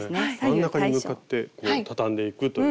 真ん中に向かってたたんでいくという。